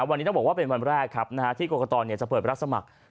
วันนี้ต้องบอกว่าเป็นวันแรกครับที่กรกตจะเปิดรับสมัคร